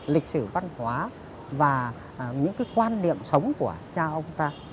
lịch sử văn hóa và những cái quan niệm sống của cha ông ta